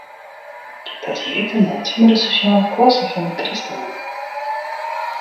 Dat hie ek te meitsjen mei de sosjale klasse fan de kristenen.